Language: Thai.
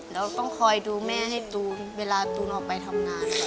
เราต้องคอยดูแม่ให้ตูนเวลาตูนออกไปทำงาน